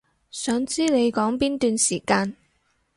想知你講邊段時間